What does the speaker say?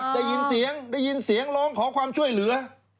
ได้ยินเสียงได้ยินเสียงร้องขอความช่วยเหลือ